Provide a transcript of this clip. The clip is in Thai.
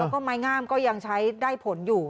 แล้วก็ไม้งามก็ยังใช้ได้ผลอยู่